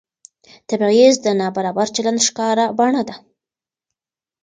تبعیض د نابرابر چلند ښکاره بڼه ده